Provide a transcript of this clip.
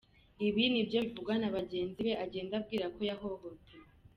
Ibi ni ibivugwa na bagenzi be agenda abwira ko yahohotewe.